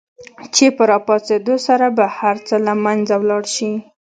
چې په را پاڅېدو سره به هر څه له منځه ولاړ شي.